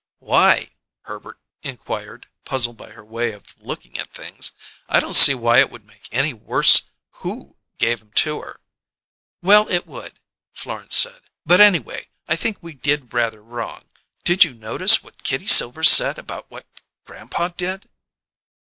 "Why?" Herbert inquired, puzzled by her way of looking at things. "I don't see why it would make it any worse who gave 'em to her." "Well, it would," Florence said. "But anyway, I think we did rather wrong. Did you notice what Kitty Silver said about what grandpa did?"